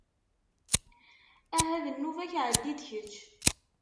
Aha d nnuba-k ɛeddi-d kečč.